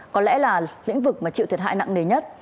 có lẽ là lĩnh vực mà chịu thiệt hại nặng nề nhất